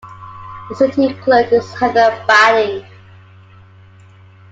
The City Clerk is Heather Badding.